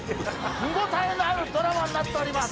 見応えのあるドラマになっております